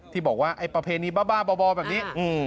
ที่บอกว่าไอ้ประเพนิฬ์บ้าแบบนี้